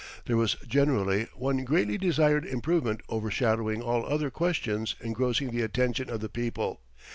There was generally one greatly desired improvement overshadowing all other questions engrossing the attention of the people.